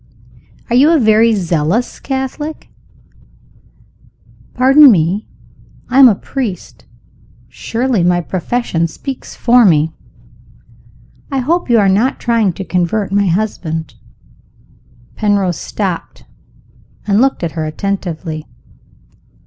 "Are you a very zealous Catholic?" "Pardon me. I am a priest. Surely my profession speaks for me?" "I hope you are not trying to convert my husband?" Penrose stopped and looked at her attentively.